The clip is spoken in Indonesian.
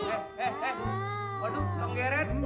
eh eh eh waduh lo keren